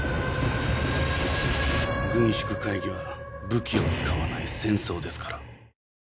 軍縮会議は武器を使わない戦争ですから。